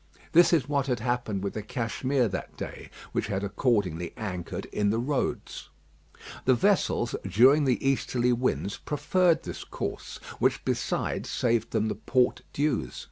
This is what had happened with the Cashmere that day, which had accordingly anchored in the roads. The vessels, during the easterly winds, preferred this course, which besides saved them the port dues.